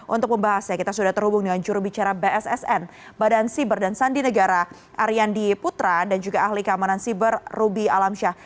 untuk pembahasnya kita sudah terhubung dengan jurubicara bssn badan siber dan sandi negara ariyandi putra dan juga ahli keamanan siber ruby alamsyah